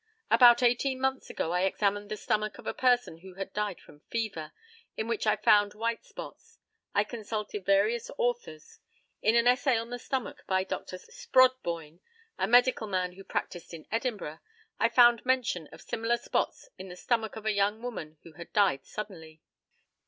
About eighteen months ago I examined the stomach of a person who had died from fever, in which I found white spots. I consulted various authors. In an essay on the stomach by Dr. Sprodboyne, a medical man who practised in Edinburgh, I found mention of similar spots in the stomach of a young woman who had died suddenly.